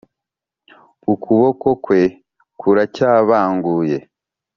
ukuboko kwe kuracyabanguye.